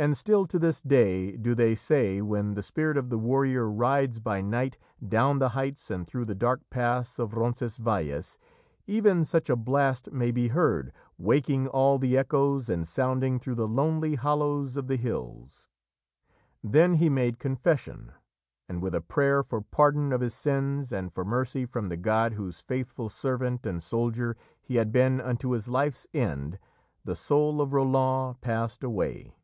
And still, to this day, do they say, when the spirit of the warrior rides by night down the heights and through the dark pass of Roncesvalles, even such a blast may be heard, waking all the echoes and sounding through the lonely hollows of the hills. Then he made confession, and with a prayer for pardon of his sins and for mercy from the God whose faithful servant and soldier he had been unto his life's end, the soul of Roland passed away.